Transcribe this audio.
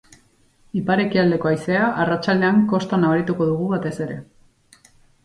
Ipar-ekialdeko haizea arratsaldean kostan nabarituko dugu batez ere.